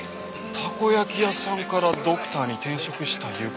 たこ焼き屋さんからドクターに転職したいう事？